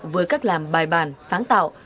với cách làm bài bàn sáng tạo